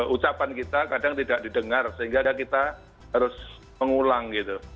ucapan kita kadang tidak didengar sehingga ada kita harus mengulang gitu